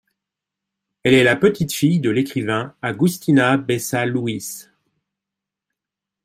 Elle est la petite-fille de l’écrivain Agustina Bessa-Luís.